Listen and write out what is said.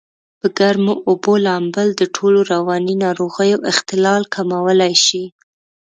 په ګرمو اوبو لامبل دټولو رواني ناروغیو اختلال کمولای شي.